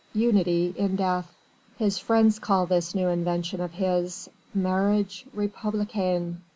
Unity in death!" His friends call this new invention of his: "Marriage Républicain!"